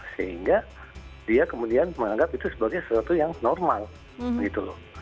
sehingga dia kemudian menganggap itu sebagai sesuatu yang normal gitu loh